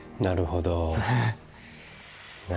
なるほどね。